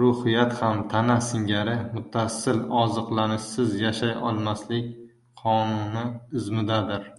Ruhiyat ham tana singari muttasil ozuqlanishsiz yashay olmaslik qonuni izmidadir.